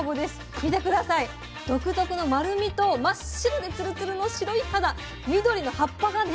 見て下さい独特の丸みと真っ白でツルツルの白い肌緑の葉っぱがね。